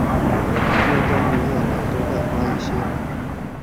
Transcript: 那當然要來多幹話一些啦